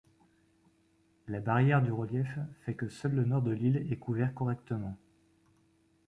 La barrière du relief fait que seul le nord de l’île est couvert correctement.